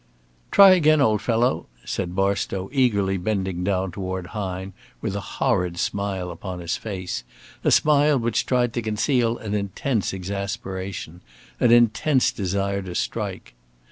"Try again, old fellow," said Barstow, eagerly, bending down toward Hine with a horrid smile upon his face, a smile which tried to conceal an intense exasperation, an intense desire to strike.